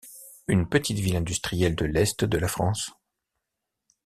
Une petite ville industrielle de l'est de la France.